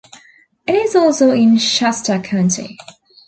It is also in Shasta County.